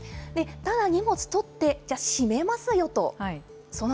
ただ、荷物取って、じゃあ、閉めますよと。